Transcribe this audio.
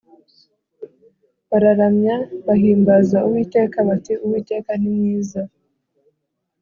bararamya, bahimbaza uwiteka bati: ‘uwiteka ni mwiza,